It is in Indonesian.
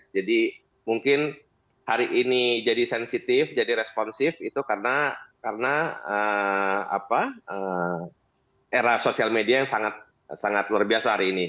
jadi mungkin hari ini jadi sensitif jadi responsif itu karena era sosial media yang sangat luar biasa hari ini